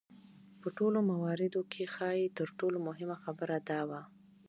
په ټولو مواردو کې ښايي تر ټولو مهمه خبره دا وه.